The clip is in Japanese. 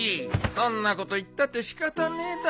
そんなこと言ったって仕方ねえだろ。